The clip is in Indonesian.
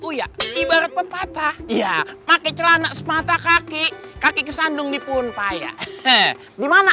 uya ibarat pepatah ya pakai celana semata kaki kaki kesandung di punpaya he he di mana